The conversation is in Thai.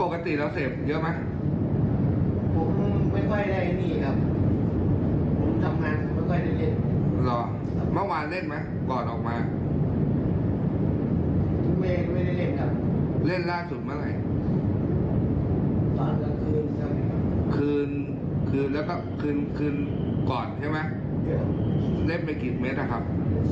คืนคืนก่อนใช่ไหมเล็บไปกี่เมตรครับ